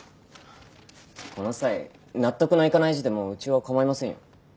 この際納得のいかない字でもうちは構いませんよ。